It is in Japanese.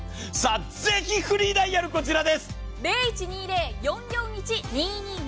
ぜひフリーダイヤルこちらです！